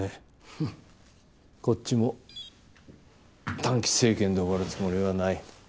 ふっこっちも短期政権で終わるつもりはない。